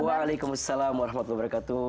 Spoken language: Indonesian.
waalaikumsalam warahmatullahi wabarakatuh